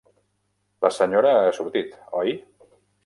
La senyora ha sortit, oi?